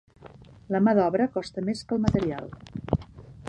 La mà d'obra costa més que el material.